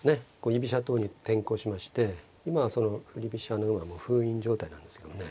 居飛車党に転向しまして今はその振り飛車の方はもう封印状態なんですけどね。